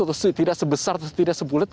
atau tidak sebesar atau tidak sebelit